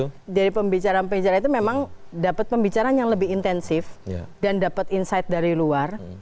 jadi dari pembicaraan pembicaraan itu memang dapat pembicaraan yang lebih intensif dan dapat insight dari luar